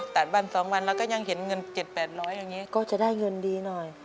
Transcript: ตัดมา๒วันแล้วยังเห็นเงิน๗๘๐๐อย่างนี้